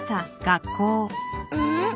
うん？